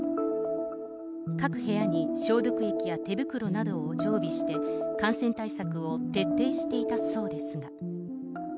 各部屋に消毒液や手袋などを常備して、感染対策を徹底していたそうですが。